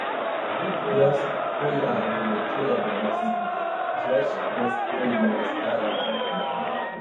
Pils bojājumi Krievijas – Žečpospolitas kara laikā.